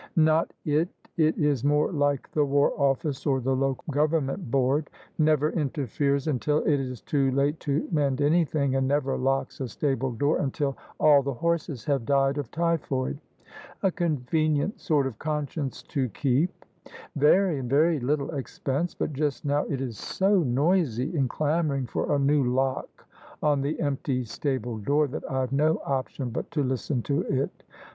Not it : it is more like the War Ofiice, or the Local Government Board: never interferes until it is too late to mend anything, and never locks a stable door until all the horses have died of typhoid." " A convenient sort of conscience to keep !" "Very; and very little expense. But just now it is so noisy in clamouring for a new lock on the empty stable door that IVe no option but to listen to it.